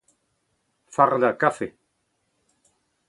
fardañ kafe